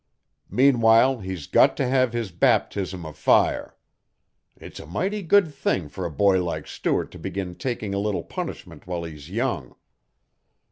Meanwhile he's got to have his baptism of fire. It's a mighty good thing for a boy like Stuart to begin taking a little punishment while he's young.